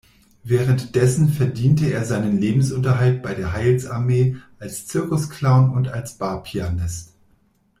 Währenddessen verdiente er seinen Lebensunterhalt bei der Heilsarmee, als Zirkusclown und als Barpianist.